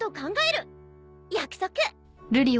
約束！